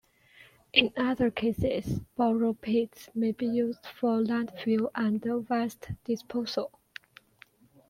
In other cases, borrow pits may be used for landfill and waste disposal.